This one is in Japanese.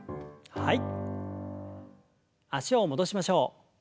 はい。